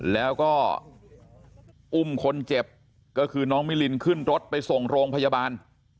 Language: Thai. แล้วก็อุ้มคนเจ็บก็คือน้องมิลินขึ้นรถไปส่งโรงพยาบาล